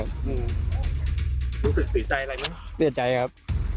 รู้สึกตื่นใจอะไรมั้ยด้วยนะหลูกคุ้มตื่นใจครับ